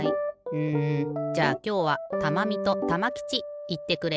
うんじゃあきょうはたまみとたまきちいってくれ。